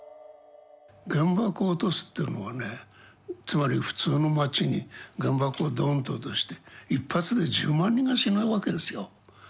原爆を落とすというのはねつまり普通の町に原爆をドーンと落として一発で１０万人が死ぬわけですよ。